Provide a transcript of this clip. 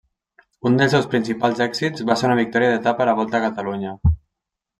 Un dels seus principals èxits va ser una victòria d'etapa a la Volta a Catalunya.